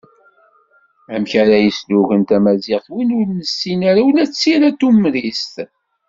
Amek ara yeslugen tamaziɣt win ur nessin ara ula d tira tumrist.